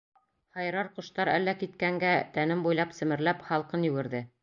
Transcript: Һайрар ҡоштар әллә киткәнгә, Тәнем буйлап семерләп һалҡын йүгерҙе.